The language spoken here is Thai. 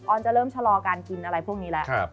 อนจะเริ่มชะลอการกินอะไรพวกนี้แล้ว